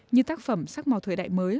như tác phẩm sắc màu thời đại mới